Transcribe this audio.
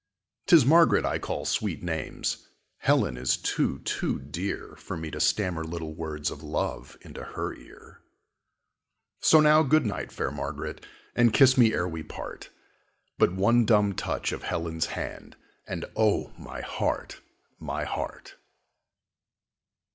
'T is Margaret I call sweet names: Helen is too, too dear For me to stammer little words Of love into her ear. So now, good night, fair Margaret, And kiss me e'er we part! But one dumb touch of Helen's hand, And, oh, my heart, my heart!